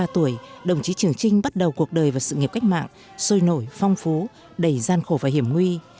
ba mươi tuổi đồng chí trường trinh bắt đầu cuộc đời và sự nghiệp cách mạng sôi nổi phong phú đầy gian khổ và hiểm nguy